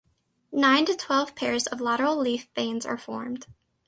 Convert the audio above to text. Nine to twelve pairs of lateral leaf veins are formed.